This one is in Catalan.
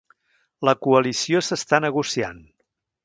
La coalició s'està negociant